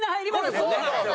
これそうなんですよ。